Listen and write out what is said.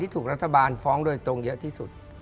ตรงเยอะที่สุด